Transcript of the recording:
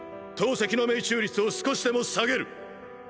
投石の命中率を少しでも下げる！！